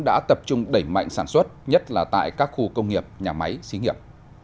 đã tập trung đẩy mạnh sản xuất nhất là tại các khu công nghiệp nhà máy xí nghiệp